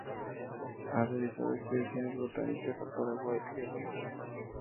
Ha realizado expediciones botánicas a Paraguay, y Argentina